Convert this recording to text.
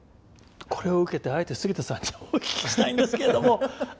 これを受けてあえて杉田さんにお聞きしたいんですけれども。